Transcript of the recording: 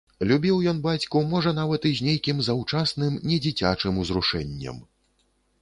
Любіў ён бацьку можа нават і з нейкім заўчасным недзіцячым узрушэннем.